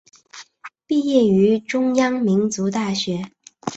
毕业于中央民族大学。